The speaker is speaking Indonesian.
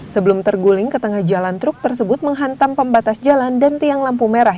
sebelum terguling ke tengah jalan truk tersebut menghantam pembatas jalan dan tiang lampu merah